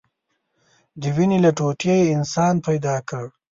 د وينې له ټوټې يې انسان پيدا كړ.